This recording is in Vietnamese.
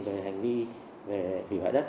về hành vi về vụ hại đất